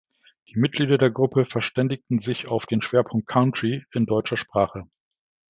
Die Mitglieder der Gruppe verständigten sich auf den Schwerpunkt Country in deutscher Sprache.